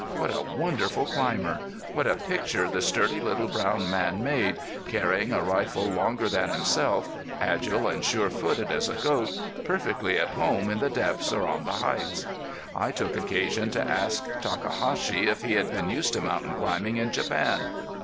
What a wonderful climber! What a picture the sturdy little brown man made, carrying a rifle longer than himself, agile and sure footed as a goat, perfectly at home in the depths or on the heights! I took occasion to ask Takahashi if he had been used to mountain climbing in Japan.